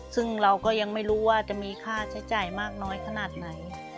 ซึ่งเราก็ยังไม่รู้ว่าจะมีค่าใช้จ่ายมากน้อยขนาดไหน